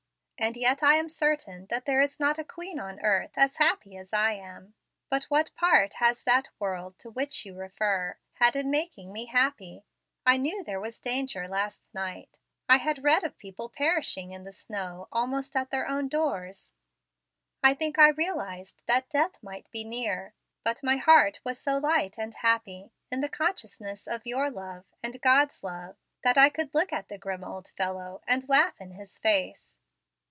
And yet I am certain that there is not a queen on the earth as happy as I am. But what part has that world to which you refer had in making me happy? I knew there was danger last night. I had read of people perishing in the snow almost at their own doors. I think I realized that death might be near, but my heart was so light and happy in the consciousness of your love and God's love, that I could look at the grim old fellow, and laugh in his face.